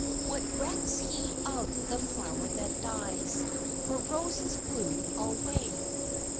What recks he of the flower that dies (For roses bloom alway!)